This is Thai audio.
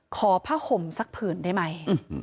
ขอผ้าห่มสักผื่นได้ไหม